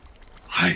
はい。